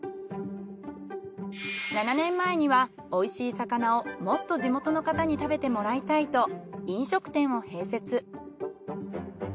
７年前には美味しい魚をもっと地元の方に食べてもらいたいと飲食店を併設。